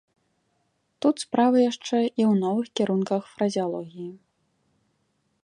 Тут справа яшчэ і ў новых кірунках фразеалогіі.